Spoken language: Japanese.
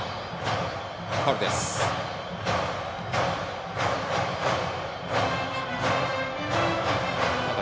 ファウルでした。